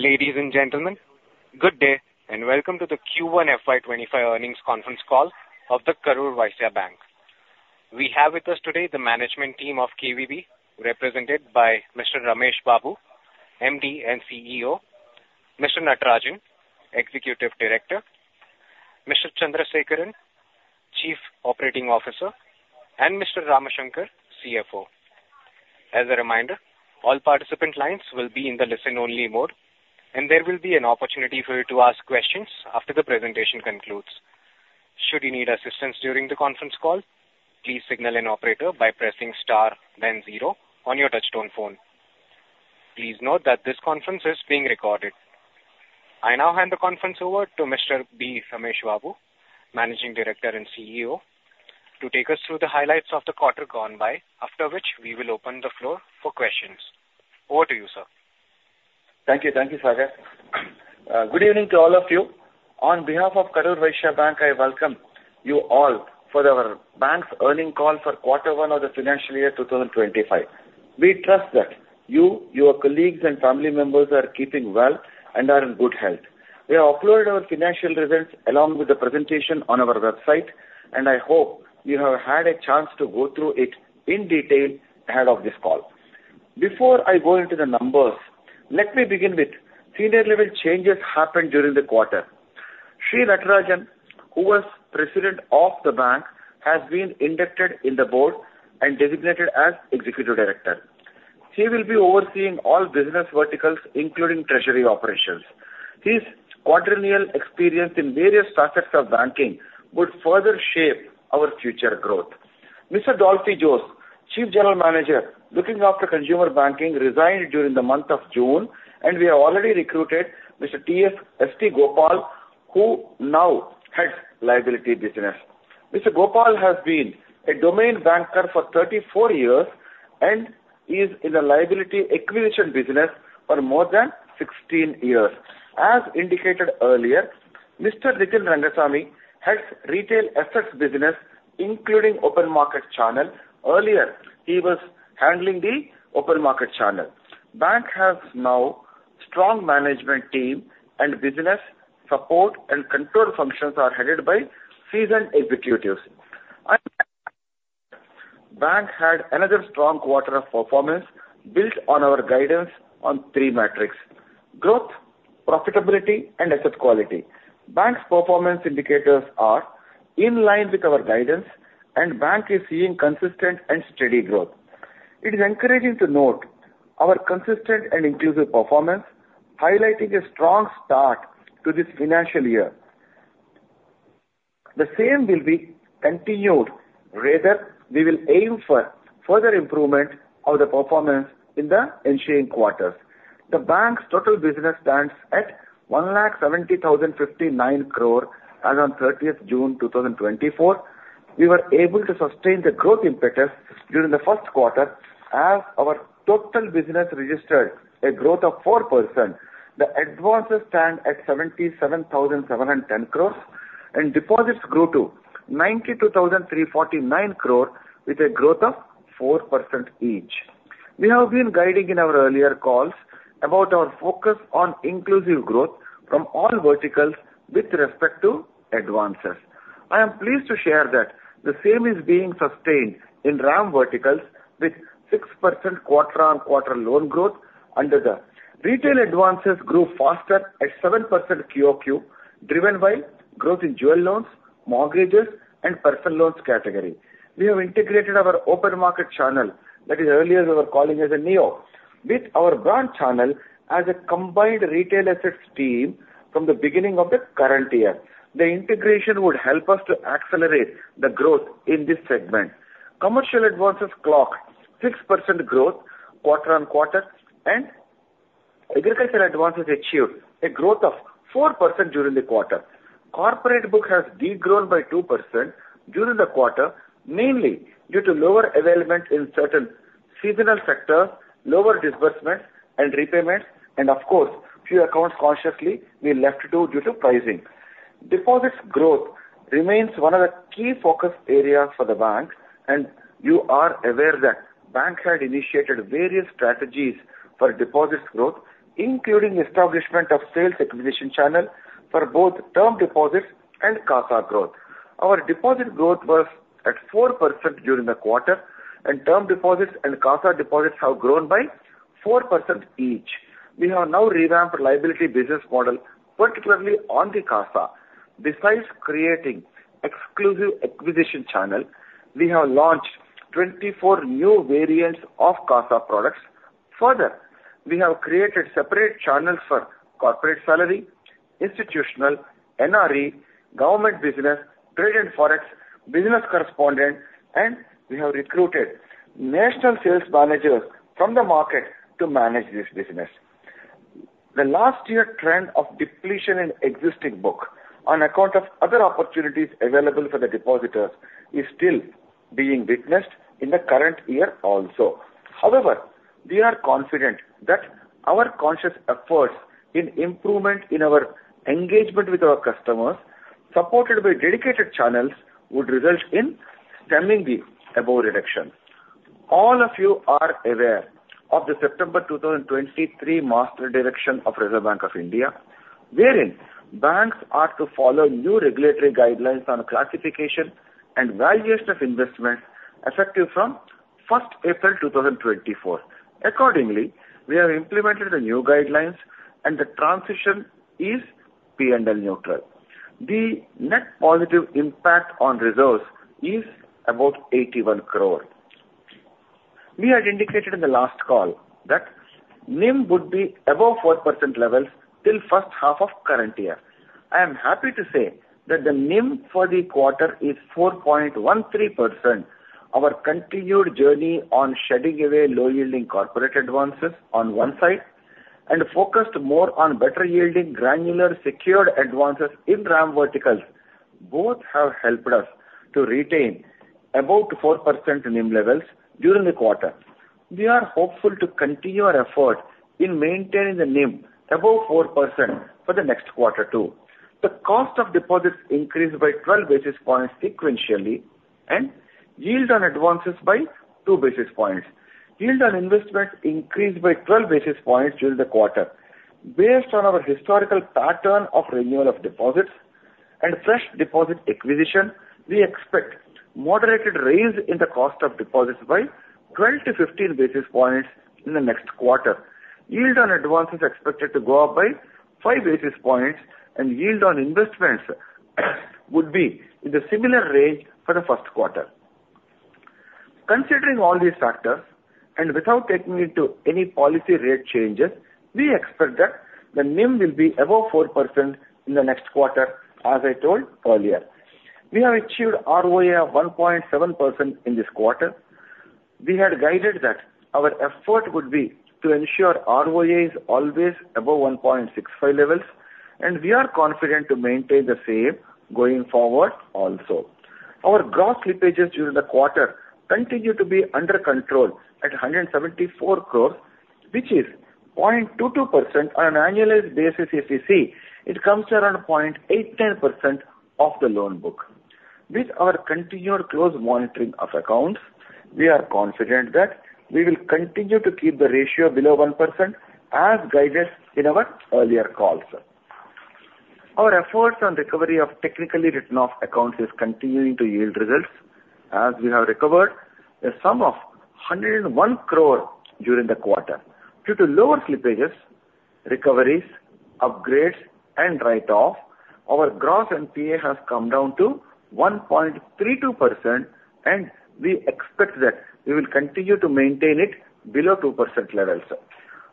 Ladies and gentlemen, good day, and welcome to the Q1 FY 2025 earnings conference call of the Karur Vysya Bank. We have with us today the management team of KVB, represented by Mr. B. Ramesh Babu, MD and CEO, Mr. J. Natarajan, Executive Director, Mr. M. S. Chandrasekaran, Chief Operating Officer, and Mr. R. Ramshankar, CFO. As a reminder, all participant lines will be in the listen-only mode, and there will be an opportunity for you to ask questions after the presentation concludes. Should you need assistance during the conference call, please signal an operator by pressing star then zero on your touchtone phone. Please note that this conference is being recorded. I now hand the conference over to Mr. B. Ramesh Babu, Managing Director and CEO, to take us through the highlights of the quarter gone by, after which we will open the floor for questions. Over to you, sir. Thank you, thank you, Sagar. Good evening to all of you. On behalf of Karur Vysya Bank, I welcome you all for our bank's earning call for quarter one of the financial year 2025. We trust that you, your colleagues, and family members are keeping well and are in good health. We have uploaded our financial results along with the presentation on our website, and I hope you have had a chance to go through it in detail ahead of this call. Before I go into the numbers, let me begin with senior level changes happened during the quarter. Shri Natarajan, who was president of the bank, has been inducted in the board and designated as executive director. He will be overseeing all business verticals, including treasury operations. His quadragennial experience in various facets of banking would further shape our future growth. Mr. Dolphy Jose, Chief General Manager, looking after consumer banking, resigned during the month of June, and we have already recruited Mr. S. D. Gopal, who now heads liability business. Mr. Gopal has been a domain banker for 34 years and is in the liability acquisition business for more than 16 years. As indicated earlier, Mr. Nitin Rangaswamy heads retail assets business, including open market channel. Earlier, he was handling the open market channel. Bank has now strong management team and business support and control functions are headed by seasoned executives. Bank had another strong quarter of performance built on our guidance on 3 metrics: growth, profitability, and asset quality. Bank's performance indicators are in line with our guidance, and bank is seeing consistent and steady growth. It is encouraging to note our consistent and inclusive performance, highlighting a strong start to this financial year. The same will be continued, rather, we will aim for further improvement of the performance in the ensuing quarters. The bank's total business stands at 1,70,059 crore as on 30th June 2024. We were able to sustain the growth impetus during the first quarter as our total business registered a growth of 4%. The advances stand at 77,710 crore, and deposits grew to 92,349 crore with a growth of 4% each. We have been guiding in our earlier calls about our focus on inclusive growth from all verticals with respect to advances. I am pleased to share that the same is being sustained in RAM verticals with 6% quarter-on-quarter loan growth under the... Retail advances grew faster at 7% QOQ, driven by growth in jewel loans, mortgages, and personal loans category. We have integrated our open market channel, that is, earlier we were calling as a NEO, with our brand channel as a combined retail assets team from the beginning of the current year. The integration would help us to accelerate the growth in this segment. Commercial advances clocked 6% growth quarter-on-quarter, and agricultural advances achieved a growth of 4% during the quarter. Corporate book has de-grown by 2% during the quarter, mainly due to lower availment in certain seasonal sectors, lower disbursements and repayments, and of course, few accounts consciously we left due to pricing. Deposits growth remains one of the key focus areas for the bank, and you are aware that the bank had initiated various strategies for deposits growth, including establishment of sales acquisition channel for both term deposits and CASA growth. Our deposit growth was at 4% during the quarter, and term deposits and CASA deposits have grown by 4% each. We have now revamped liability business model, particularly on the CASA. Besides creating exclusive acquisition channel, we have launched 24 new variants of CASA products. Further, we have created separate channels for corporate salary, institutional, NRE, government business, trade and forex, business correspondent, and we have recruited national sales managers from the market to manage this business. The last year trend of depletion in existing book on account of other opportunities available for the depositors is still being witnessed in the current year also. However, we are confident that our conscious efforts in improvement in our engagement with our customers, supported by dedicated channels, would result in stemming the above reduction. All of you are aware of the September 2023 master direction of Reserve Bank of India, wherein banks are to follow new regulatory guidelines on classification and valuation of investment, effective from April 1st, 2024. Accordingly, we have implemented the new guidelines and the transition is P&L neutral. The net positive impact on reserves is about 81 crore. We had indicated in the last call that NIM would be above 4% levels till first half of current year. I am happy to say that the NIM for the quarter is 4.13%. Our continued journey on shedding away low-yielding corporate advances on one side, and focused more on better yielding, granular, secured advances in RAM verticals, both have helped us to retain about 4% NIM levels during the quarter. We are hopeful to continue our effort in maintaining the NIM above 4% for the next quarter, too. The cost of deposits increased by 12 basis points sequentially, and yield on advances by 2 basis points. Yield on investment increased by 12 basis points during the quarter. Based on our historical pattern of renewal of deposits and fresh deposit acquisition, we expect moderated raise in the cost of deposits by 12 basis points-15 basis points in the next quarter. Yield on advances expected to go up by 5 basis points, and yield on investments would be in the similar range for the first quarter. Considering all these factors, and without taking into any policy rate changes, we expect that the NIM will be above 4% in the next quarter, as I told earlier. We have achieved ROA of 1.7% in this quarter. We had guided that our effort would be to ensure ROA is always above 1.65 levels, and we are confident to maintain the same going forward also. Our gross slippages during the quarter continue to be under control at 174 crore, which is 0.22% on an annualized basis if you see, it comes around 0.81% of the loan book. With our continued close monitoring of accounts, we are confident that we will continue to keep the ratio below 1% as guided in our earlier calls. Our efforts on recovery of technically written-off accounts is continuing to yield results, as we have recovered a sum of 101 crore during the quarter. Due to lower slippages, recoveries, upgrades, and write-off, our gross NPA has come down to 1.32%, and we expect that we will continue to maintain it below 2% levels.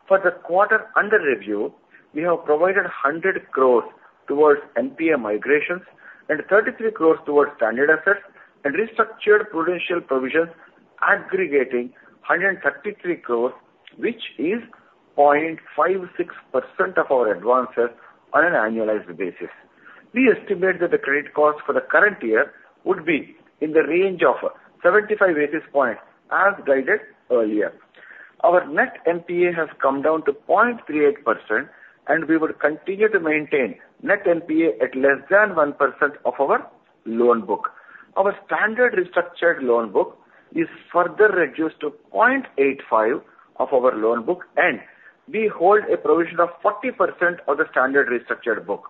For the quarter under review, we have provided 100 crore towards NPA migrations and 33 crore towards standard assets and restructured prudential provisions, aggregating 133 crore, which is 0.56% of our advances on an annualized basis. We estimate that the credit cost for the current year would be in the range of 75 basis points, as guided earlier. Our net NPA has come down to 0.38%, and we will continue to maintain net NPA at less than 1% of our loan book. Our standard restructured loan book is further reduced to 0.85 of our loan book, and we hold a provision of 40% of the standard restructured book.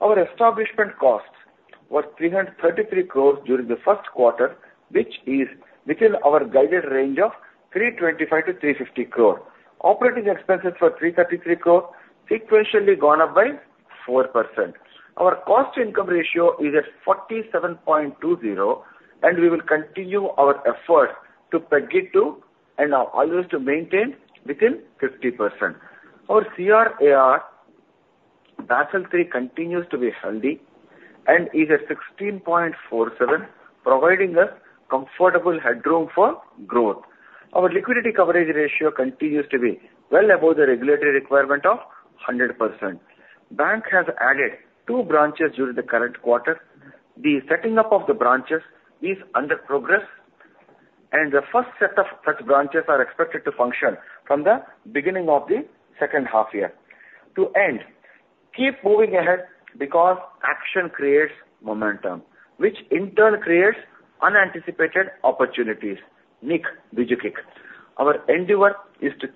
Our establishment costs were 333 crore during the first quarter, which is within our guided range of 325 crore-350 crore. Operating expenses were 333 crore, sequentially gone up by 4%. Our cost-to-income ratio is at 47.20, and we will continue our efforts to peg it to, and are always to maintain within 50%. Our CRAR Basel III continues to be healthy and is at 16.47, providing a comfortable headroom for growth. Our liquidity coverage ratio continues to be well above the regulatory requirement of 100%. The Bank has added two branches during the current quarter. The setting up of the branches is under progress, and the first set of such branches are expected to function from the beginning of the second half year. To end, keep moving ahead because action creates momentum, which in turn creates unanticipated opportunities. Nick Vujicic? Our endeavor is to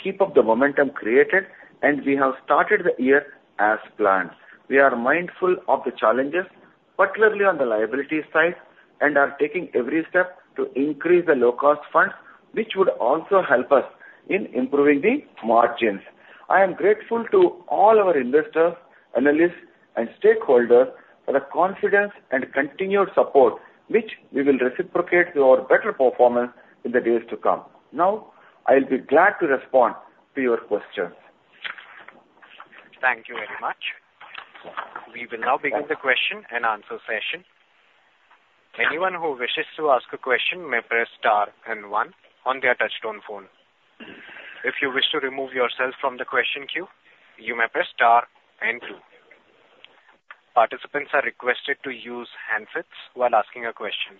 keep up the momentum created, and we have started the year as planned. We are mindful of the challenges, particularly on the liability side, and are taking every step to increase the low-cost funds, which would also help us in improving the margins. I am grateful to all our investors, analysts and stakeholders for the confidence and continued support, which we will reciprocate through our better performance in the days to come. Now, I'll be glad to respond to your questions. Thank you very much. We will now begin the question and answer session. Anyone who wishes to ask a question may press star and one on their touchtone phone. If you wish to remove yourself from the question queue, you may press star and two. Participants are requested to use handsets while asking a question.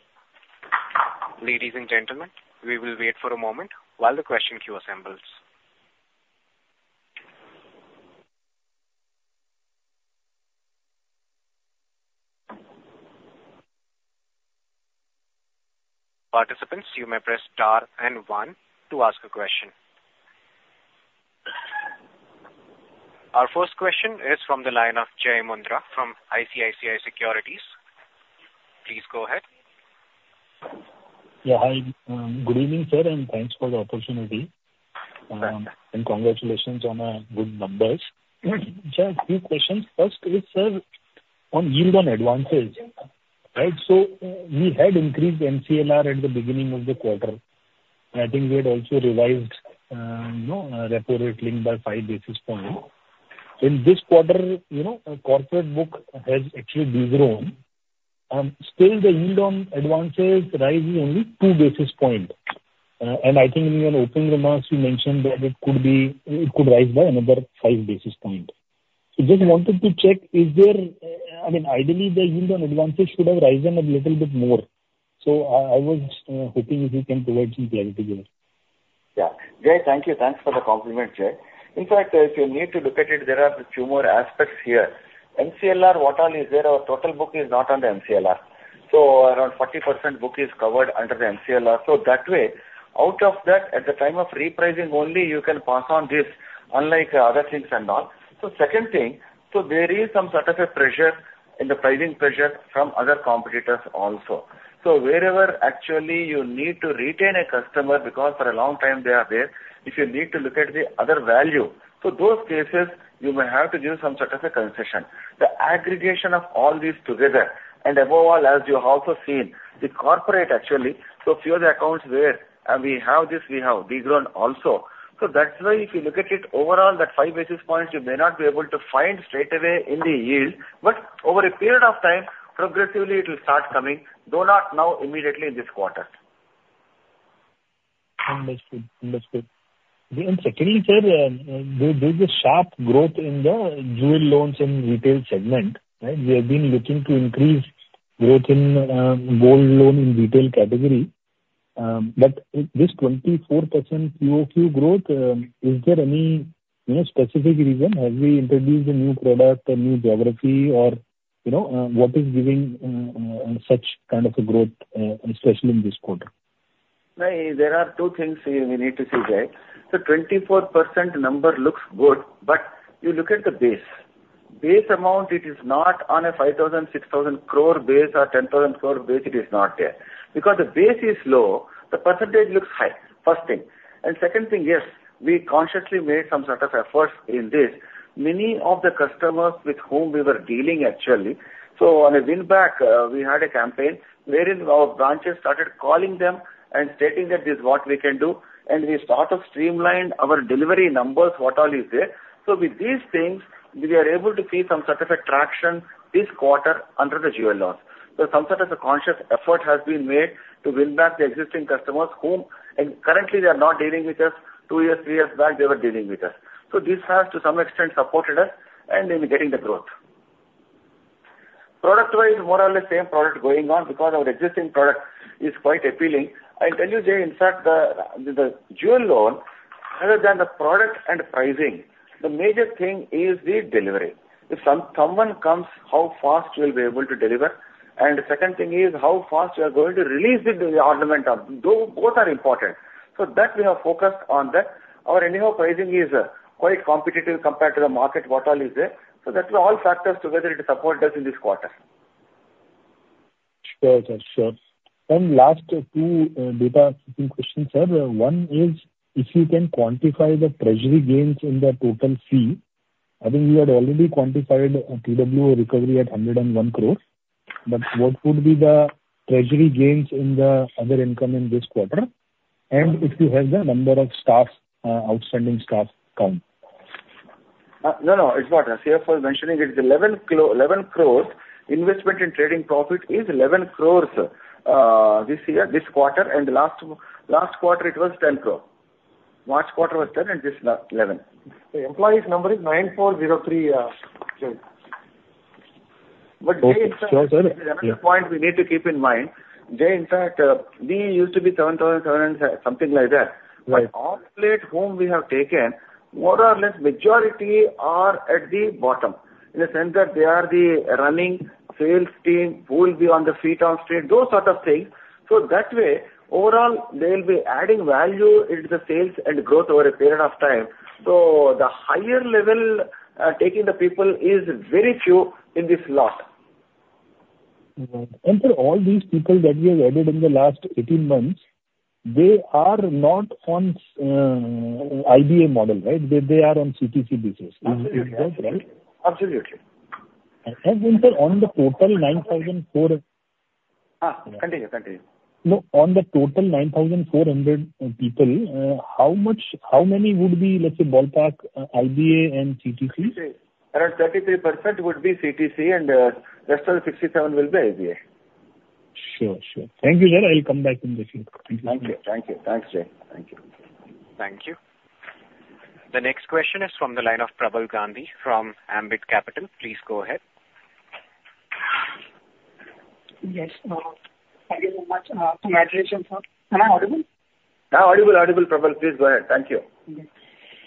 Ladies and gentlemen, we will wait for a moment while the question queue assembles. Participants, you may press star and one to ask a question. Our first question is from the line of Jai Mundra from ICICI Securities. Please go ahead. Yeah, hi. Good evening, sir, and thanks for the opportunity, and congratulations on good numbers. Jai, a few questions. First is, sir, on yield on advances, right? So we had increased MCLR at the beginning of the quarter, and I think we had also revised, you know, repo rate link by 5 basis point. In this quarter, you know, our corporate book has actually de-grown, still the yield on advances rising only 2 basis point. And I think in your opening remarks, you mentioned that it could be, it could rise by another 5 basis point. So just wanted to check, is there... I mean, ideally, the yield on advances should have risen a little bit more. So I was hoping you can provide some clarity here. Yeah. Jai, thank you. Thanks for the compliment, Jai. In fact, if you need to look at it, there are a few more aspects here. MCLR, what all is there, our total book is not on the MCLR. So around 40% book is covered under the MCLR. So that way, out of that, at the time of repricing, only you can pass on this, unlike other things and all. So second thing, so there is some sort of a pressure in the pricing pressure from other competitors also. So wherever actually you need to retain a customer because for a long time they are there, if you need to look at the other value. So those cases, you may have to give some sort of a concession. The aggregation of all these together, and above all, as you have also seen, the corporate actually, so few of the accounts where, and we have this, we have de-grown also. So that's why if you look at it overall, that 5 basis points you may not be able to find straight away in the yield, but over a period of time, progressively it will start coming, though not now immediately in this quarter. Understood. Understood. And secondly, sir, there, there's a sharp growth in the jewel loans and retail segment, right? We have been looking to increase growth in gold loan in retail category, but this 24% QOQ growth, is there any, you know, specific reason? Have we introduced a new product, a new geography, or, you know, what is giving such kind of a growth, especially in this quarter? No, there are two things we, we need to see, Jai. The 24% number looks good, but you look at the base. Base amount, it is not on a 5,000 crore-6,000 crore base or 10,000 crore base, it is not there. Because the base is low, the percentage looks high, first thing. And second thing, yes, we consciously made some sort of efforts in this. Many of the customers with whom we were dealing actually, so on a win back, we had a campaign wherein our branches started calling them and stating that this is what we can do, and we sort of streamlined our delivery numbers, what all is there. So with these things, we are able to see some sort of a traction this quarter under the jewel loans. So some sort of a conscious effort has been made to win back the existing customers whom and currently they are not dealing with us. Two years, three years back, they were dealing with us. So this has to some extent supported us and in getting the growth. Product-wise, more or less same product going on because our existing product is quite appealing. I tell you, Jai, in fact, the Jewel Loan, rather than the product and pricing, the major thing is the delivery. If someone comes, how fast you will be able to deliver, and the second thing is how fast you are going to release the ornament, though both are important. So that we have focused on that. Our anyhow pricing is quite competitive compared to the market, what all is there. So that way, all factors together, it supported us in this quarter. Sure, sir. Sure. And last two data seeking questions, sir. One is, if you can quantify the treasury gains in the total fee. I think you had already quantified a TWO recovery at 101 crore. But what would be the treasury gains in the other income in this quarter? And if you have the number of staff, outstanding staff count. No, no, it's what CFO is mentioning. It is 11 crores. Investment in trading profit is 11 crore, this year, this quarter, and last quarter it was 10 crore. March quarter was 10 crore and this now 11 crore. The employees number is 9403, Jai. Okay. Sure, sir. But there is another point we need to keep in mind. Jai, in fact, we used to be 7,700, something like that. Right. But of late, whom we have taken, more or less, majority are at the bottom, in the sense that they are the running sales team, who will be on the street, those sort of things. So that way, overall, they'll be adding value into the sales and growth over a period of time. So the higher level, taking the people is very few in this lot. So all these people that we have added in the last 18 months, they are not on IBA model, right? They are on CTC basis. Absolutely. Right? Absolutely. And then, sir, on the total 9,004- Continue, continue. No, on the total 9,400 people, how much, how many would be, let's say, ballpark, IBA and CTC? Around 33% would be CTC, and rest of the 67% will be IBA. Sure, sure. Thank you, sir. I will come back in the queue. Thank you. Thank you. Thanks, Jai. Thank you. Thank you. The next question is from the line of Prabal Gandhi from Ambit Capital. Please go ahead. Yes, thank you very much. Congratulations, sir. Am I audible? Prabal. Please go ahead. Thank you.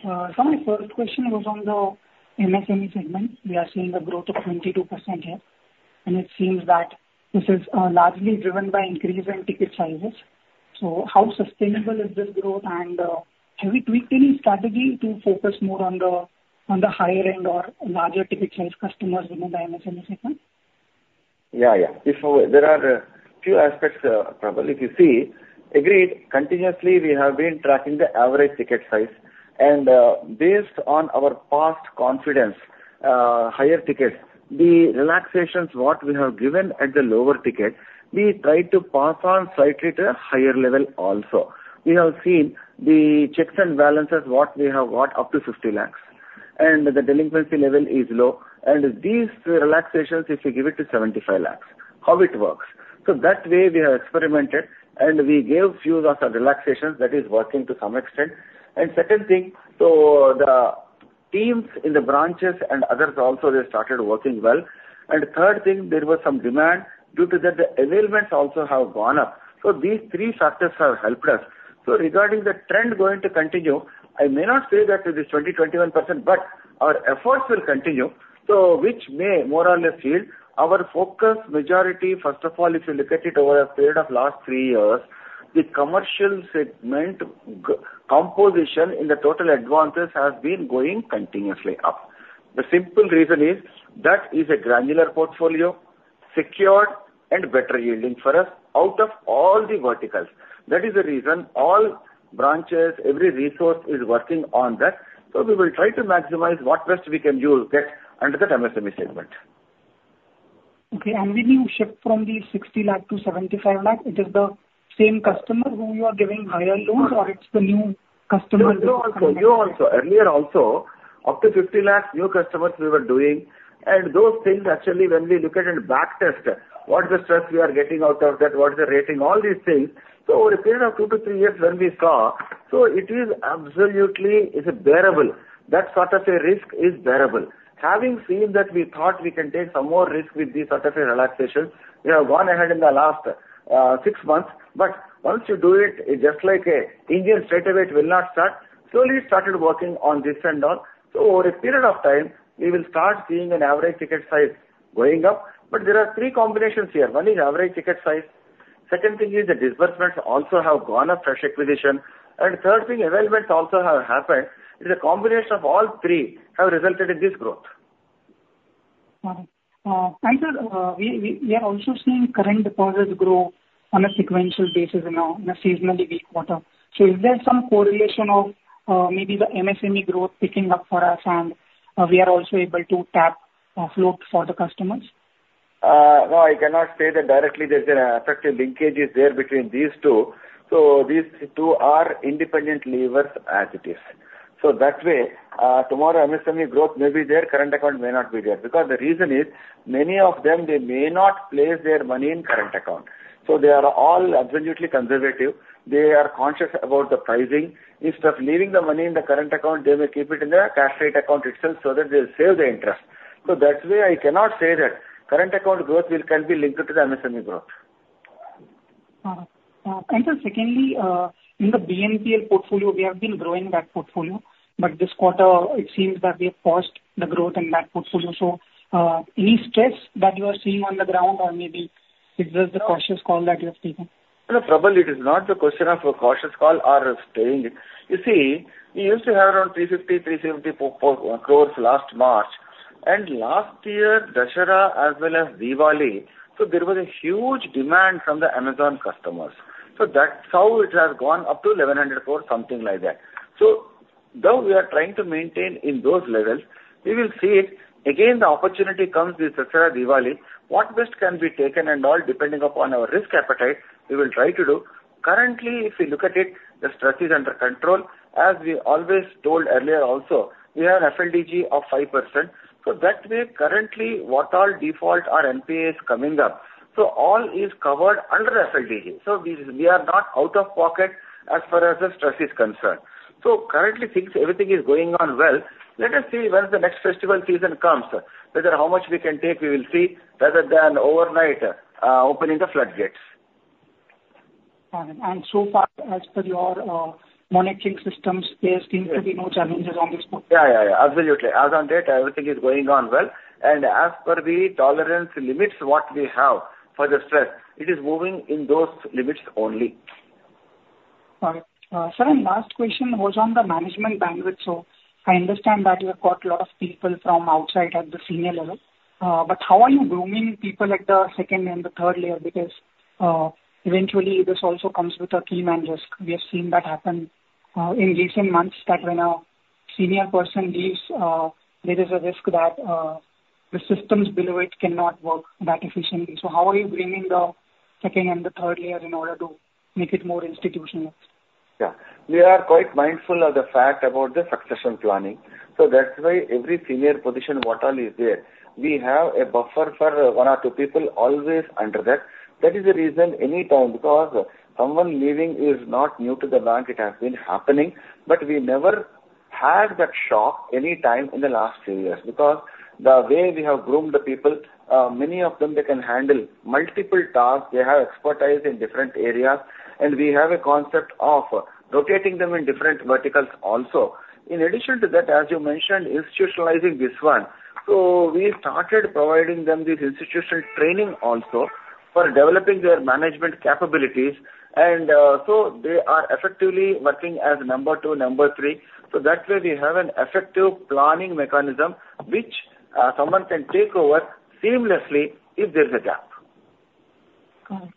So my first question was on the MSME segment. We are seeing a growth of 22% here, and it seems that this is largely driven by increase in ticket sizes. So how sustainable is this growth? And have we tweaked any strategy to focus more on the higher end or larger ticket size customers within the MSME segment? Yeah, yeah. If so, there are a few aspects, Prabal, if you see, agreed, continuously, we have been tracking the average ticket size, and, based on our past confidence, higher tickets, the relaxations what we have given at the lower ticket, we try to pass on slightly to a higher level also. We have seen the checks and balances, what we have got up to 50 lakh, and the delinquency level is low. And these relaxations, if we give it to 75 lakh, how it works? So that way, we have experimented, and we gave few of the relaxations that is working to some extent. And second thing, so the teams in the branches and others also, they started working well. And third thing, there was some demand. Due to that, the availments also have gone up. So these three factors have helped us. So regarding the trend going to continue, I may not say that it is 20%-21%, but our efforts will continue, so which may more or less yield. Our focus majority, first of all, if you look at it over a period of last three years, the commercial segment composition in the total advances has been going continuously up. The simple reason is that is a granular portfolio, secured and better yielding for us out of all the verticals. That is the reason all branches, every resource is working on that. So we will try to maximize what best we can do get under the MSME segment. Okay. When you shift from the 60 lakh to 75 lakh, it is the same customer who you are giving higher loans, or it's the new customer? New also. Earlier also, up to 50 lakhs, new customers we were doing. And those things actually, when we look at it back test, what's the stress we are getting out of that? What is the rating? All these things. So over a period of 2 years-3 years when we saw, so it is absolutely, it's bearable. That sort of a risk is bearable. Having seen that, we thought we can take some more risk with this sort of a relaxation. We have gone ahead in the last six months, but once you do it, it's just like a engine straightaway, it will not start. Slowly, it started working on this and on. So over a period of time, we will start seeing an average ticket size going up. But there are 3 combinations here. One is average ticket size, second thing is the disbursements also have gone up, fresh acquisition, and third thing, availments also have happened. It's a combination of all three have resulted in this growth. And sir, we are also seeing current deposits grow on a sequential basis in a seasonally weak quarter. So is there some correlation of maybe the MSME growth picking up for us and we are also able to tap float for the customers? No, I cannot say that directly there's an effective linkage is there between these two. So these two are independent levers as it is. So that way, tomorrow, MSME growth may be there, current account may not be there. Because the reason is, many of them, they may not place their money in current account. So they are all absolutely conservative. They are conscious about the pricing. Instead of leaving the money in the current account, they may keep it in the cash credit account itself so that they save the interest. So that way, I cannot say that current account growth will, can be linked to the MSME growth. And sir, secondly, in the BNPL portfolio, we have been growing that portfolio, but this quarter it seems that we have paused the growth in that portfolio. So, any stress that you are seeing on the ground, or maybe is this the cautious call that you have taken? No, Prabal, it is not the question of a cautious call or staying. You see, we used to have around 350 crore-370 crore last March, and last year, Dussehra as well as Diwali, so there was a huge demand from the Amazon customers. So that's how it has gone up to 1,100 crore, something like that. So though we are trying to maintain in those levels, we will see it. Again, the opportunity comes with Dussehra, Diwali. What best can be taken and all, depending upon our risk appetite, we will try to do. Currently, if you look at it, the stress is under control. As we always told earlier also, we have FLDG of 5%, so that way, currently, what all default or NPA is coming up, so all is covered under FLDG. So we, we are not out of pocket as far as the stress is concerned. So currently, things, everything is going on well. Let us see when the next festival season comes, whether how much we can take, we will see, rather than overnight opening the floodgates. Got it. And so far, as per your monitoring systems, there seems to be no challenges on this front? Yeah, yeah, yeah, absolutely. As on date, everything is going on well, and as per the tolerance limits, what we have for the stress, it is moving in those limits only. Got it. Sir, and last question was on the management bandwidth. So I understand that you have got a lot of people from outside at the senior level, but how are you grooming people at the second and the third layer? Because, eventually, this also comes with a key man risk. We have seen that happen, in recent months, that when a senior person leaves, there is a risk that the systems below it cannot work that efficiently. So how are you bringing the second and the third layer in order to make it more institutional? Yeah. We are quite mindful of the fact about the succession planning. So that's why every senior position, what all is there, we have a buffer for one or two people always under that. That is the reason anytime, because someone leaving is not new to the bank, it has been happening, but we never had that shock anytime in the last few years, because the way we have groomed the people, many of them they can handle multiple tasks. They have expertise in different areas, and we have a concept of rotating them in different verticals also. In addition to that, as you mentioned, institutionalizing this one. So we started providing them this institutional training also for developing their management capabilities, and so they are effectively working as number two, number three. So that way we have an effective planning mechanism, which, someone can take over seamlessly if there is a gap. Got it.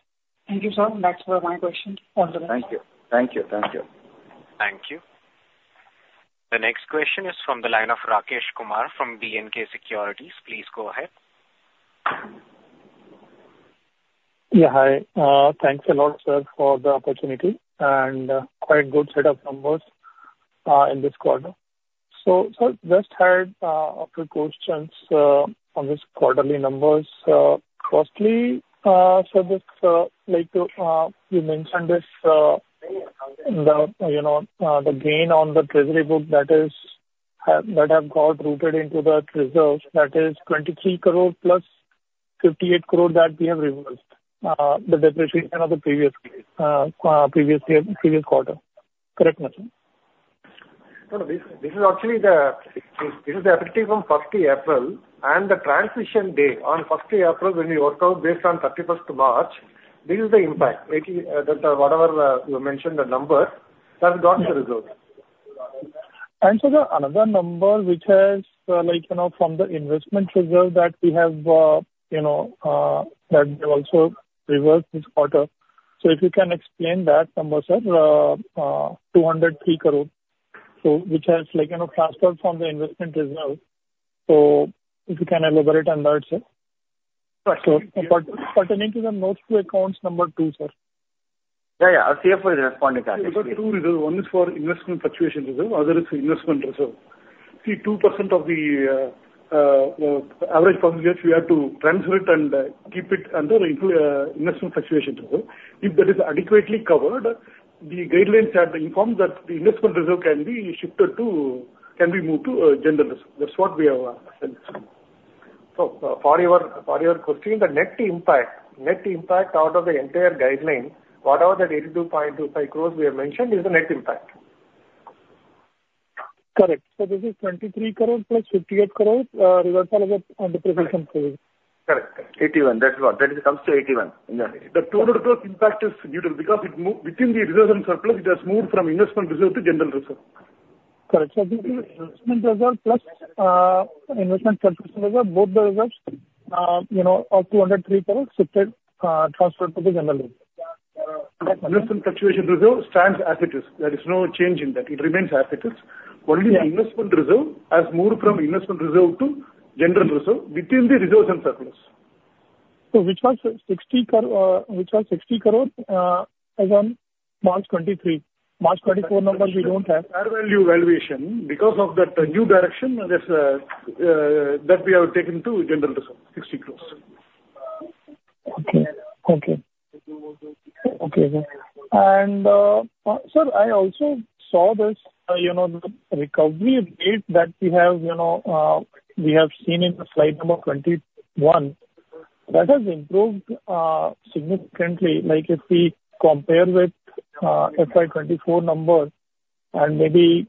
Thank you, sir. That's where my questions. Wonderful. Thank you. Thank you. Thank you. Thank you. The next question is from the line of Rakesh Kumar from B&K Securities. Please go ahead. Yeah, hi. Thanks a lot, sir, for the opportunity and quite good set of numbers in this quarter. So, sir, just had a few questions on this quarterly numbers. Firstly, so just like you mentioned this, the you know the gain on the treasury book that is that have got routed into the reserves, that is 23 crore + 58 crore that we have reversed the depreciation of the previous previous year, previous quarter. Correct me, sir? No, no, this, this is actually the, this is the effective from 1st of April, and the transition day on 1st of April, when you work out based on 31st of March, this is the impact. It is, that whatever, you mentioned the number, has gone to the reserve. And so the another number which has, like, you know, from the Investment Reserve that we have, that we also reversed this quarter. So if you can explain that number, sir, 203 crore, so which has, like, you know, transferred from the Investment Reserve. So if you can elaborate on that, sir. Sure, sure. Pertaining to the notes to accounts number 2, sir. Yeah, yeah. Our CFO will respond to that. But two, one is for Investment Fluctuation Reserve, other is Investment Reserve. See, 2% of the average public, we have to transfer it and keep it under the Investment Fluctuation Reserve. If that is adequately covered, the guidelines have informed that the Investment Reserve can be shifted to... can be moved to General Reserve. That's what we have. So for your, for your question, the net impact, net impact out of the entire guideline, whatever the 82.25 crore we have mentioned, is the net impact. Correct. So this is 23 crore plus 58 crore, reversal of underprovision crore. Correct. 81 crore, that's what, that comes to 81 crore. The total impact is neutral because it moves within the reserve and surplus. It has moved from Investment Reserve to General Reserve. Correct. So this is Investment Reserve plus, Investment Fluctuation Reserve. Both the reserves, you know, of 203 crore shifted, transferred to the General Reserve. Investment Fluctuation Reserve stands as it is. There is no change in that. It remains as it is. Yeah. Only the Investment Reserve has moved from Investment Reserve to General Reserve within the reserves and surplus. Which was 60 crore as on March 2023. March 2024 number we don't have. Fair value valuation. Because of that new direction, that's, that we have taken to General Reserve, 60 crore. Okay. Okay. Okay, then. And, sir, I also saw this, you know, the recovery rate that we have, you know, we have seen in the Slide number 21, that has improved, significantly. Like, if we compare with, FY 2024 numbers and maybe,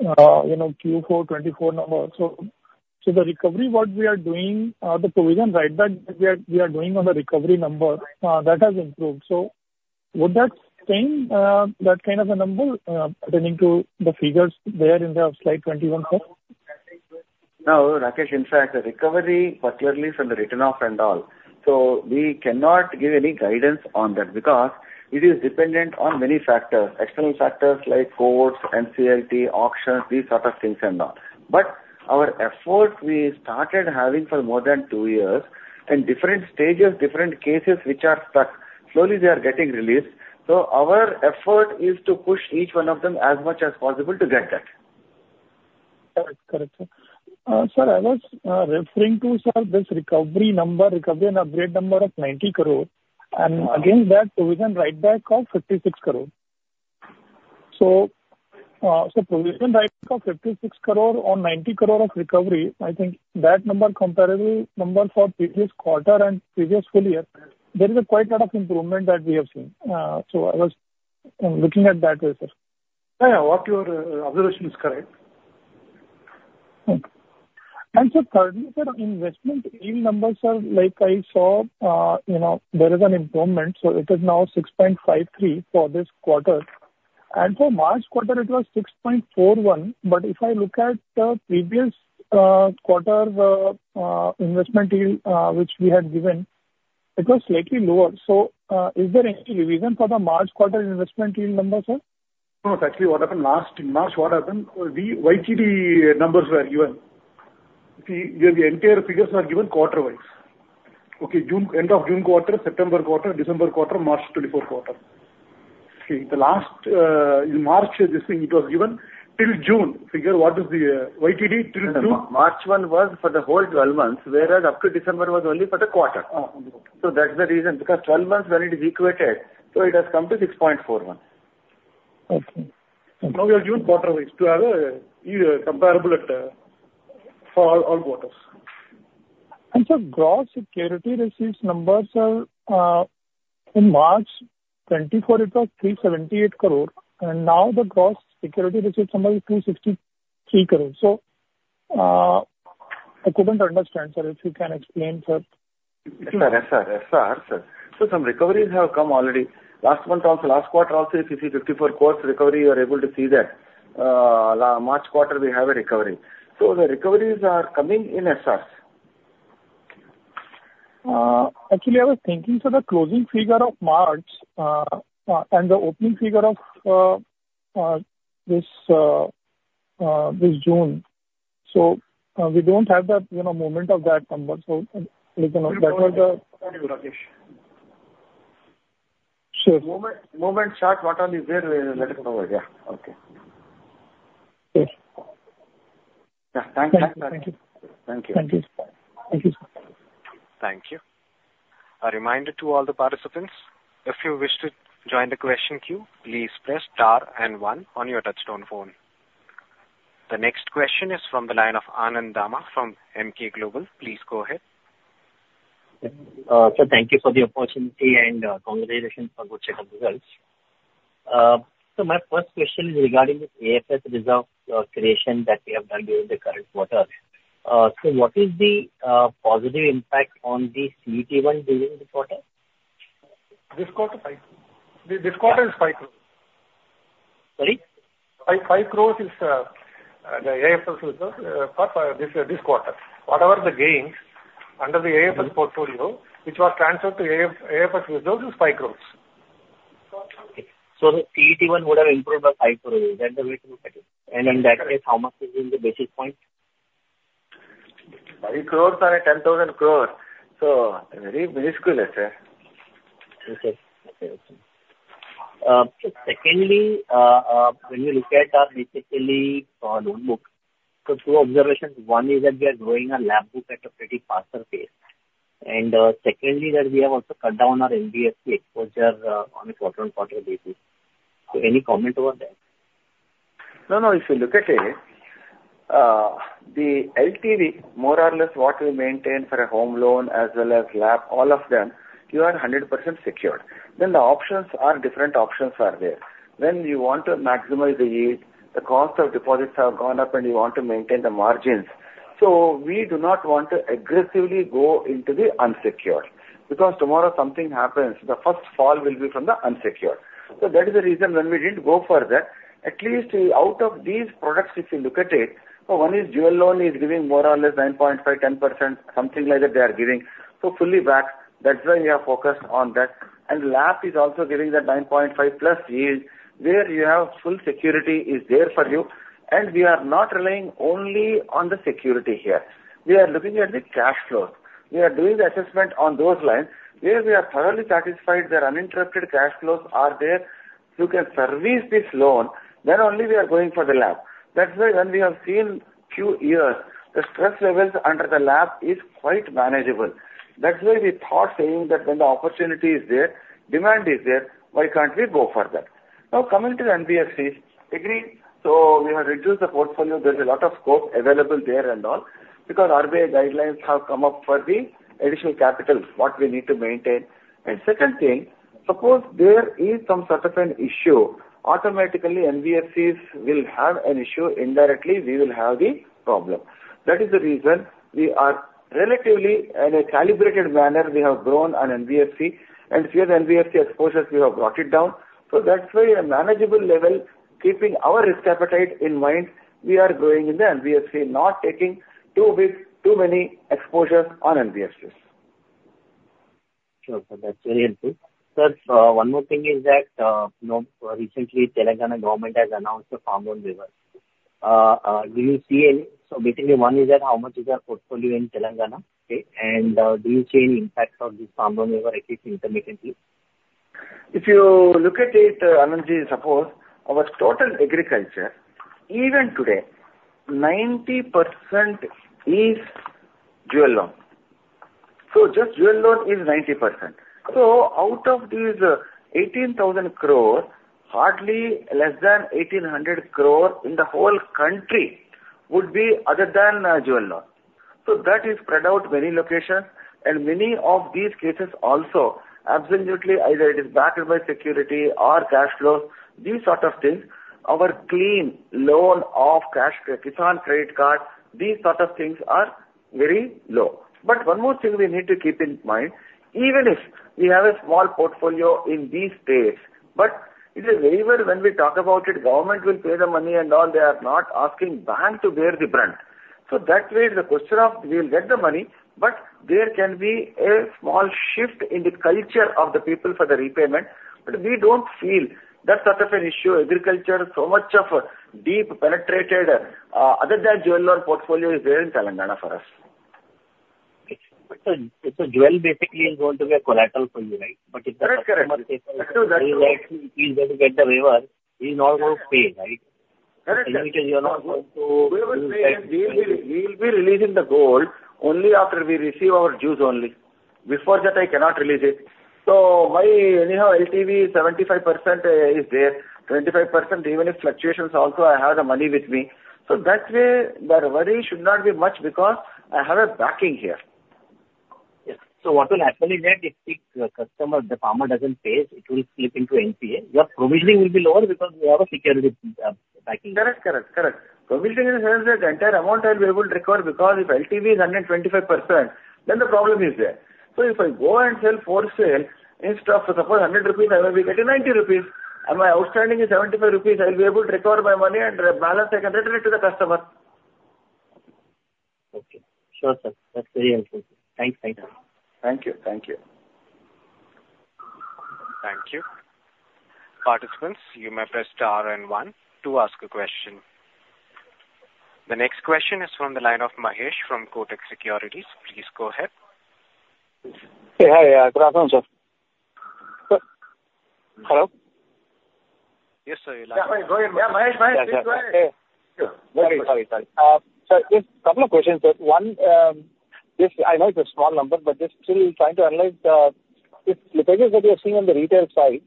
you know, Q4 2024 numbers. So, so the recovery, what we are doing, the provision write back, we are, we are doing on the recovery number, that has improved. So would that same, that kind of a number, pertaining to the figures there in the Slide 21, sir? No, Rakesh, in fact, the recovery, particularly from the written off and all, so we cannot give any guidance on that because it is dependent on many factors, external factors like courts, NCLT, auctions, these type of things and all. But our effort we started having for more than two years, in different stages, different cases which are stuck, slowly they are getting released. So our effort is to push each one of them as much as possible to get that. Correct. Correct, sir. Sir, I was referring to this recovery number, recovery and upgrade number of 90 crore, and against that provision write back of 56 crore. So, provision write back of 56 crore on 90 crore of recovery, I think that number, comparable number for previous quarter and previous full year, there is quite a lot of improvement that we have seen. So I was looking at that way, sir. Yeah, yeah. Your observation is correct. Okay. So currently, sir, investment yield numbers are like I saw, you know, there is an improvement, so it is now 6.53 for this quarter. And for March quarter, it was 6.41. But if I look at the previous quarter, investment yield which we had given, it was slightly lower. So, is there any reason for the March quarter investment yield number, sir? No. Actually, what happened last, in March, what happened, the YTD numbers were given. See, the entire figures are given quarter-wise. Okay, June, end of June quarter, September quarter, December quarter, March 2024 quarter. See, the last, in March, this thing, it was given till June. Figure, what is the YTD till June? March 1 was for the whole 12 months, whereas up to December was only for the quarter. Uh, okay. That's the reason, because 12 months when it is equated, so it has come to 6.41. Okay. Now we are doing quarter-wise to have a comparable at for all, all quarters. And so gross security receipts numbers are, in March 2024, it was 378 crore, and now the gross security receipts number is 363 crore. So, I couldn't understand, sir, if you can explain, sir. SR, SR, SR, sir. So some recoveries have come already. Last month also, last quarter also, if you see 54 crore recovery, you are able to see that. Last March quarter we have a recovery. So the recoveries are coming in SR. Actually, I was thinking for the closing figure of March and the opening figure of this June. So, we don't have that, you know, movement of that number. So, you know, that was the- Thank you, Rakesh. Sure. Moment, one moment. Sir. Are you there? Let us know. Yeah. Okay. Sure. Yeah. Thank you. Thank you. Thank you. Thank you. Thank you. A reminder to all the participants, if you wish to join the question queue, please press star and one on your touchtone phone. The next question is from the line of Anand Dama from Emkay Global. Please go ahead. Sir, thank you for the opportunity and, congratulations on good set of results. So my first question is regarding the AFS Reserve creation that we have done during the current quarter. So what is the positive impact on the CET1 during this quarter? This quarter 5. This quarter is 5 crore. Sorry? 5 crore is the AFS Reserve for this quarter. Whatever the gains under the AFS portfolio, which was transferred to AFS Reserve is 5 crore. The CET1 would have improved by 5 crore, then the risk will set in. In that case, how much is in the basis points? are at 10,000 crore. So very, very small, sir. Okay. Okay, okay. Secondly, when you look at, basically, loan book, so two observations. One is that we are growing our loan book at a pretty faster pace. And, secondly, that we have also cut down our NBFC exposure, on a quarter-on-quarter basis. So any comment about that? No, no. If you look at it, the LTV, more or less what we maintain for a home loan as well as LAP, all of them, you are 100% secured. Then the options are different options are there. When you want to maximize the yield, the cost of deposits have gone up and you want to maintain the margins. So we do not want to aggressively go into the unsecured, because tomorrow something happens, the first fall will be from the unsecured. So that is the reason when we didn't go for that. At least out of these products, if you look at it, so one is Jewel Loan is giving more or less 9.5%-10%, something like that they are giving. So fully backed. That's why we have focused on that. And LAP is also giving that 9.5+ yield, where you have full security is there for you. And we are not relying only on the security here. We are looking at the cash flows. We are doing the assessment on those lines, where we are thoroughly satisfied their uninterrupted cash flows are there, to can service this loan, then only we are going for the LAP. That's why when we have seen few years, the stress levels under the LAP is quite manageable. That's why we thought saying that when the opportunity is there, demand is there, why can't we go for that? Now, coming to the NBFCs, agreed. So we have reduced the portfolio. There is a lot of scope available there and all, because RBI guidelines have come up for the additional capital, what we need to maintain. Second thing, suppose there is some sort of an issue, automatically NBFCs will have an issue, indirectly we will have the problem. That is the reason we are relatively, in a calibrated manner, we have grown on NBFC, and here the NBFC exposures, we have brought it down. So that's why a manageable level, keeping our risk appetite in mind, we are growing in the NBFC, not taking too big, too many exposures on NBFCs. Sure, sir, that's very helpful. Sir, one more thing is that, you know, recently Telangana government has announced a farm loan waiver. Do you see any... So basically, one is that how much is our portfolio in Telangana? Okay, and, do you see any impact of this farm loan waiver, at least intermediately? If you look at it, Anand Ji, suppose our total agriculture, even today, 90% is jewel loan. So just jewel loan is 90%. So out of these, 18,000 crore, hardly less than 1,800 crore in the whole country would be other than jewel loan. So that is spread out many locations, and many of these cases also, absolutely, either it is backed by security or cash flows, these sort of things, our clean loan of cash or Kisan Credit Card, these sort of things are very low. But one more thing we need to keep in mind, even if we have a small portfolio in these states, but it is very well when we talk about it, government will pay the money and all, they are not asking bank to bear the brunt. So that way, the question of we will get the money, but there can be a small shift in the culture of the people for the repayment. But we don't feel that sort of an issue. Agriculture, so much of a deep penetrated other than jewel loan portfolio is there in Telangana for us. So, Jewel basically is going to be a collateral for you, right? Correct, correct. But if the customer says, "He likes me, he will get the waiver," he's not going to pay, right? Correct, correct. You are not going to- We will be releasing the gold only after we receive our dues only. Before that, I cannot release it. So, anyhow, LTV 75% is there, 25%, even if fluctuations also, I have the money with me. So that way, the worry should not be much because I have a backing here. Yes. So what will happen is that if the customer, the farmer doesn't pay, it will slip into NPA. Your provisioning will be lower because you have a security backing. Correct, correct, correct. Provisioning is where the entire amount I'll be able to recover, because if LTV is 125%, then the problem is there. So if I go and sell for sale, instead of suppose 100 rupees, I will be getting 90 rupees, and my outstanding is 75 rupees, I will be able to recover my money and the balance I can return it to the customer. Okay. Sure, sir. That's very helpful. Thanks again. Thank you. Thank you. Thank you. Participants, you may press star and one to ask a question. The next question is from the line of Mahesh from Kotak Securities. Please go ahead. Hey, hi. Yeah, good afternoon, sir. Hello? Yes, sir. Yeah, go ahead. Yeah, Mahesh, Mahesh, please go ahead. Sorry, sorry, sorry. Sir, just couple of questions. One, this I know it's a small number, but just still trying to analyze the, this slippages that you are seeing on the retail side,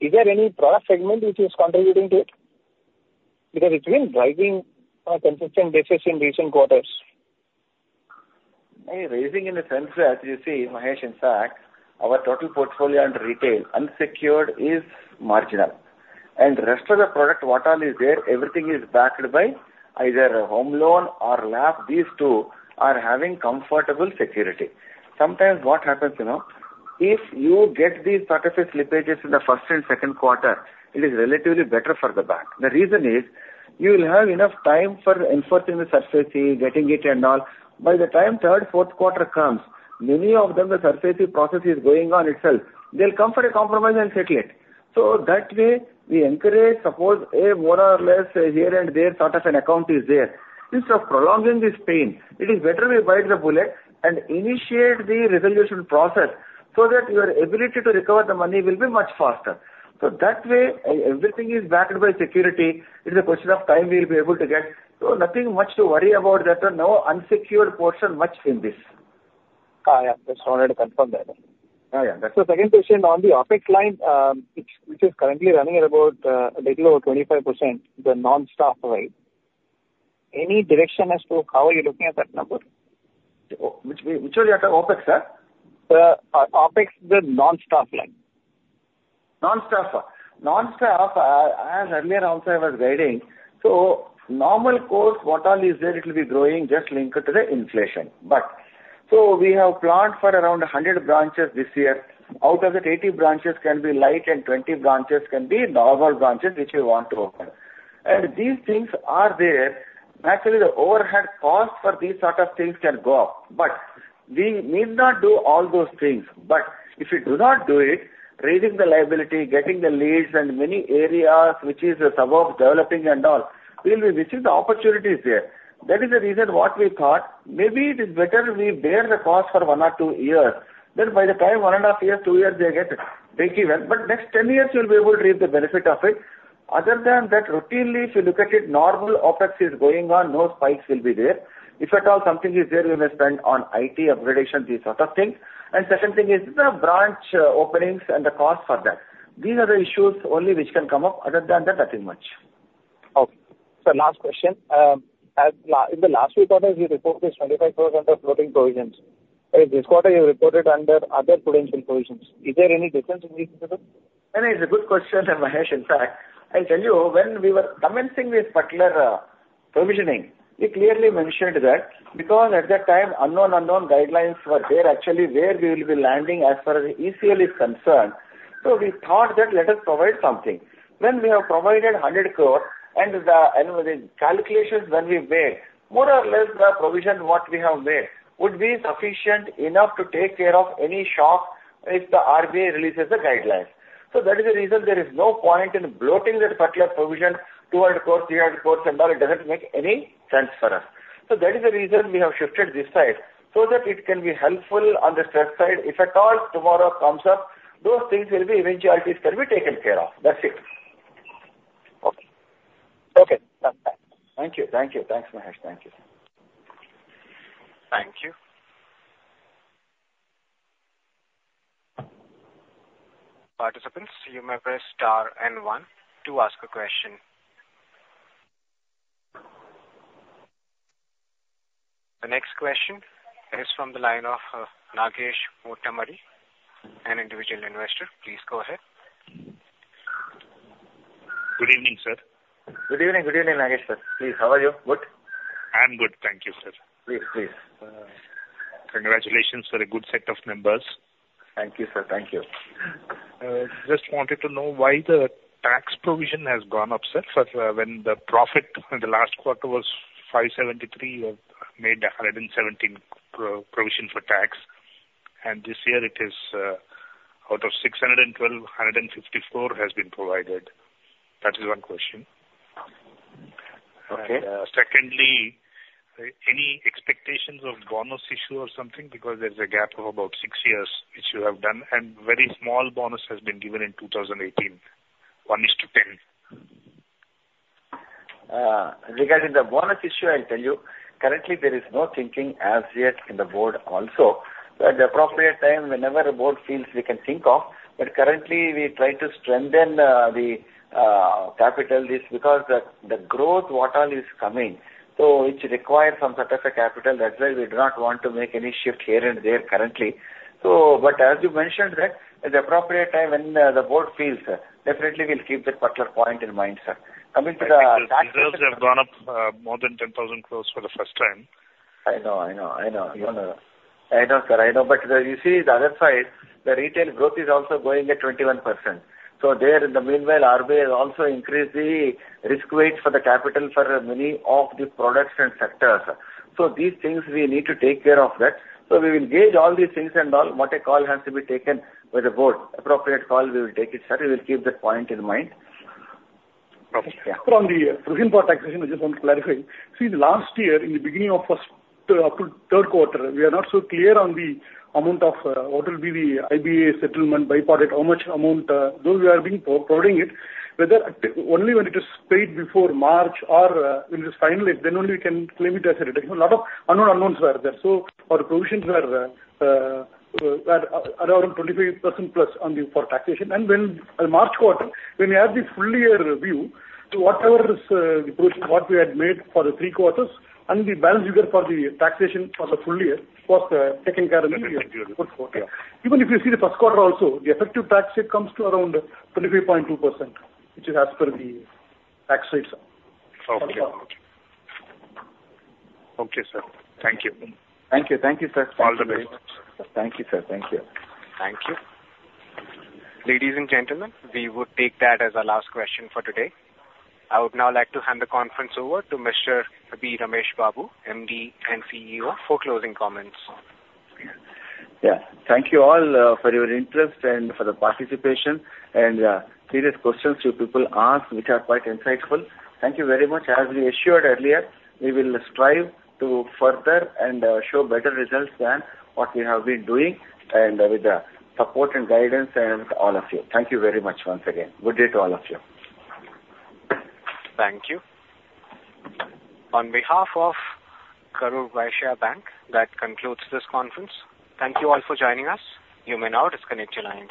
is there any product segment which is contributing to it? Because it's been driving on a consistent basis in recent quarters. Hey, raising in the sense that you see, Mahesh, in fact, our total portfolio under retail, unsecured is marginal. And rest of the product, what all is there, everything is backed by either a home loan or gold. These two are having comfortable security. Sometimes what happens, you know, if you get these sort of slippages in the first and second quarter, it is relatively better for the bank. The reason is, you will have enough time for enforcing the SARFAESI, getting it and all. By the time third, fourth quarter comes, many of them, the SARFAESI process is going on itself. They'll come for a compromise and settle it. So that way, we encourage, suppose, a more or less here and there, sort of an account is there. Instead of prolonging this pain, it is better we bite the bullet and initiate the resolution process so that your ability to recover the money will be much faster. So that way, everything is backed by security. It's a question of time we'll be able to get. So nothing much to worry about that, and no unsecured portion much in this. Ah, yeah. Just wanted to confirm that. Oh, yeah. So second question, on the OpEx line, which, which is currently running at about, little over 25%, the non-staff, right? Any direction as to how are you looking at that number? Which way at the OpEx, sir? OpEx, the non-staff line. Non-staff. Non-staff, as earlier on, sir, I was guiding, so normal course, what all is there, it will be growing just linked to the inflation. But so we have planned for around 100 branches this year. Out of it, 80 branches can be light and 20 branches can be normal branches, which we want to open. And these things are there. Naturally, the overhead cost for these sort of things can go up, but we need not do all those things. But if we do not do it, raising the liability, getting the leads and many areas which is the suburb developing and all, we will be missing the opportunities there. That is the reason what we thought. Maybe it is better we bear the cost for 1 year or 2 years, then by the time 1.5 years, 2 years, they get break even, but next 10 years, we'll be able to reap the benefit of it. Other than that, routinely, if you look at it, normal OpEx is going on, no spikes will be there. If at all something is there, we may spend on IT upgradation, these sort of things. And second thing is the branch openings and the cost for that. These are the issues only which can come up, other than that, nothing much. Okay. So last question: In the last few quarters, you reported 25% of floating provisions. In this quarter, you reported under other prudential provisions. Is there any difference in these, sir? It's a good question, Mahesh. In fact, I'll tell you, when we were commencing this particular provisioning, we clearly mentioned that because at that time, unknown, unknown guidelines were there, actually, where we will be landing as far as ECL is concerned. So we thought that let us provide something. When we have provided 100 crore and the, and within calculations when we made, more or less the provision what we have made would be sufficient enough to take care of any shock if the RBI releases the guidelines. So that is the reason there is no point in bloating that particular provision, INR 200 crores, 300 crores, and all, it doesn't make any sense for us. So that is the reason we have shifted this side, so that it can be helpful on the stress side. If at all, tomorrow comes up, those things will be, eventualities can be taken care of. That's it. Okay. Okay, thanks. Thank you. Thank you. Thanks, Mahesh. Thank you. Thank you. Participants, you may press star and one to ask a question. The next question is from the line of Nagesh Vutukuri, an individual investor. Please go ahead. Good evening, sir. Good evening. Good evening, Nagesh. Please, how are you? Good? I'm good. Thank you, sir. Please, please. Congratulations for a good set of numbers. Thank you, sir. Thank you. Just wanted to know why the tax provision has gone up, sir, for when the profit in the last quarter was 573 crore, you have made a 117 crore provision for tax, and this year it is out of 612 crore, 154 crore has been provided. That is one question. Okay. Secondly, any expectations of bonus issue or something? Because there's a gap of about 6 years which you have done, and very small bonus has been given in 2018, 1:10. Regarding the bonus issue, I'll tell you, currently there is no thinking as yet in the board also. At the appropriate time, whenever the board feels, we can think of, but currently we try to strengthen the capital this, because the growth what all is coming, so which require some sort of a capital. That's why we do not want to make any shift here and there currently. So but as you mentioned that, at the appropriate time when the board feels, sir, definitely we'll keep that particular point in mind, sir. Coming to the- I think the results have gone up, more than 10,000 crore for the first time. I know, I know, I know. I know, sir, I know. But you see the other side, the retail growth is also going at 21%. So there, in the meanwhile, RBI has also increased the risk weight for the capital for many of the products and sectors. So these things, we need to take care of that. So we will gauge all these things and all, what call has to be taken by the board. Appropriate call, we will take it, sir. We will keep that point in mind. Okay. Sir, on the provision for taxation, I just want to clarify. See, the last year, in the beginning of first up to third quarter, we are not so clear on the amount of, what will be the IBA settlement by part, how much amount, though we are being providing it, whether only when it is paid before March or, when it is final, then only we can claim it as a deduction. A lot of unknown unknowns were there. So our provisions were, were around 25%+ on the for taxation. And when, March quarter, when we have the full year review, so whatever is, the provision, what we had made for the three quarters and the balance we get for the taxation for the full year, was, taken care of in the fourth quarter. Even if you see the first quarter also, the effective tax rate comes to around 23.2%, which is as per the tax rates. Okay. Okay, sir. Thank you. Thank you. Thank you, sir. All the best. Thank you, sir. Thank you. Thank you. Ladies and gentlemen, we would take that as our last question for today. I would now like to hand the conference over to Mr. B. Ramesh Babu, MD and CEO, for closing comments. Yeah. Thank you all for your interest and for the participation and serious questions you people ask, which are quite insightful. Thank you very much. As we assured earlier, we will strive to further and show better results than what we have been doing and with the support and guidance and all of you. Thank you very much once again. Good day to all of you. Thank you. On behalf of Karur Vysya Bank, that concludes this conference. Thank you all for joining us. You may now disconnect your lines.